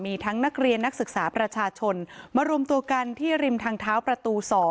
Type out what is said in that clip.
มีทั้งนักเรียนนักศึกษาประชาชนมารวมตัวกันที่ริมทางเท้าประตู๒